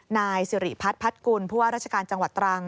นายสิริพัฒน์พัดกุลผู้ว่าราชการจังหวัดตรัง